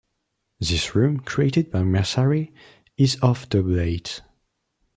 This room, created by Massari, is of double height.